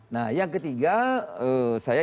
nah yang ketiga saya